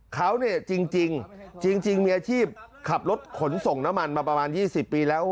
เขาเนี่ยจริงมีอาชีพขับรถขนส่งน้ำมันมาประมาณ๒๐ปีแล้ว